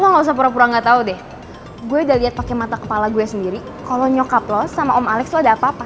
lo gak usah pura pura gak tau deh gua udah liat pake mata kepala gua sendiri kalo nyokap lo sama om alex lo ada apa apa